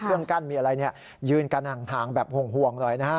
เครื่องกั้นมีอะไรเนี่ยยืนกันห่างแบบห่วงหน่อยนะฮะ